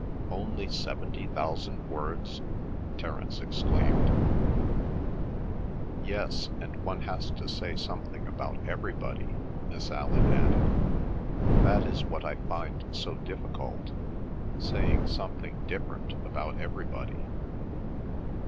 "Only seventy thousand words!" Terence exclaimed. "Yes, and one has to say something about everybody," Miss Allan added. "That is what I find so difficult, saying something different about everybody."